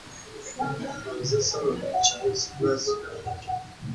She weighed into contentious issues like women doing night work.